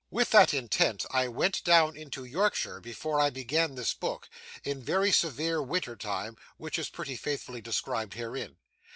With that intent I went down into Yorkshire before I began this book, in very severe winter time which is pretty faithfully described herein.